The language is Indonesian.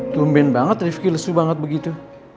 tumben banget rifki lesu banget begitu